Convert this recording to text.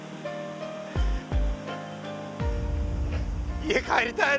家帰りたいな。